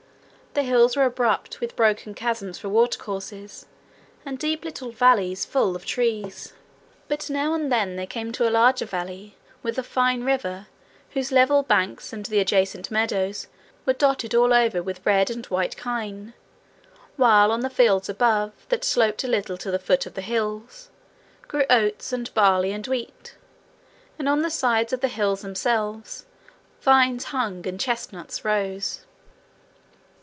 The hills were abrupt, with broken chasms for watercourses, and deep little valleys full of trees. But now and then they came to a larger valley, with a fine river, whose level banks and the adjacent meadows were dotted all over with red and white kine, while on the fields above, that sloped a little to the foot of the hills, grew oats and barley and wheat, and on the sides of the hills themselves vines hung and chestnuts rose.